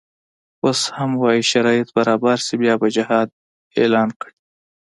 اوس هم وایي شرایط برابر شي بیا به جهاد اعلان کړي.